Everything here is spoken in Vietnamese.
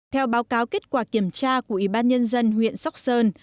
theo báo cáo kết quả kiểm tra của ủy ban nhân dân huyện sóc sơn